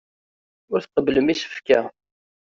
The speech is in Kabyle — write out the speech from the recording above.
Ur tqebblem isefka.